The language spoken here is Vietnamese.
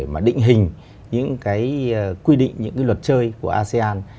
mà định hình những cái quy định những cái luật chơi của asean